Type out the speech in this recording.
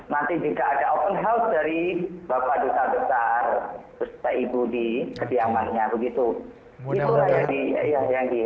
nanti juga ada open house dari bapak duta besar bapak ibu di kediamannya begitu mudah lagi ya